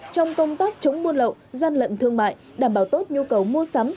trong công tác chống buôn lậu gian lận thương mại đảm bảo tốt nhu cầu mua sắm